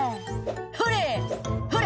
「ほれほれ！